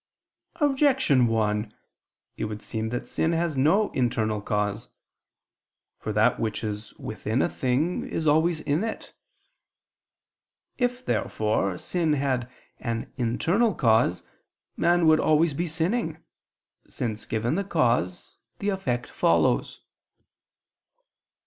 Objection 1: It would seem that sin has no internal cause. For that which is within a thing is always in it. If therefore sin had an internal cause, man would always be sinning, since given the cause, the effect follows.